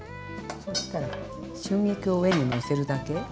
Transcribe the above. そしたら春菊を上にのせるだけ。